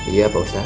iya pak ustadz